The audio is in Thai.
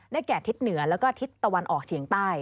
แก่ทิศเหนือแล้วก็ทิศตะวันออกเฉียงใต้